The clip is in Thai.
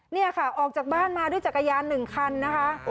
นี่ค่ะออกจากบ้านมาด้วยจักรยาน๑คันนะคะ